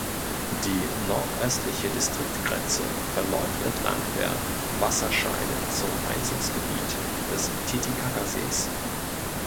Die nordöstliche Distriktgrenze verläuft entlang der Wasserscheide zum Einzugsgebiet des Titicacasees.